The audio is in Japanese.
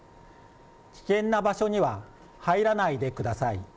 危険な場所には入らないでください。